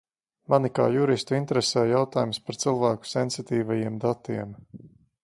Mani kā juristu interesē jautājums par cilvēku sensitīvajiem datiem.